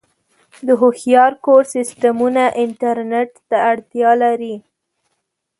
د هوښیار کور سیسټمونه انټرنیټ ته اړتیا لري.